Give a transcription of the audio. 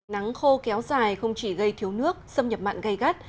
nắng khô kéo dài không chỉ gây thiếu nước xâm nhập mặn gây gắt